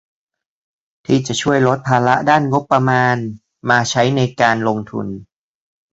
ที่จะช่วยลดภาระด้านงบประมาณมาใช้ในการลงทุน